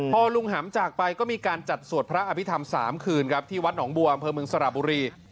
พอลุงหำจากไปก็มีการจัดสวดพระอภิษฐรรม๓คืนครับที่วัดหนองบัวอำเภอเมืองสระบุรี